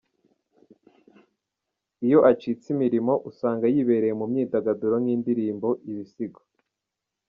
Iyo acitse imirimo, usanga yibereye mu myidagaduro nk’indirimbo, ibisigo,….